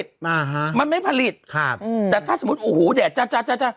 แต่ถ้าสมมุติโอ้โหแดดจ๊ะจ๊ะ